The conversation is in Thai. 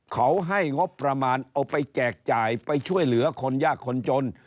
เขาให้งบประมาณเอาไปแจกจ่ายไปช่วยเหลือคนยากคนจน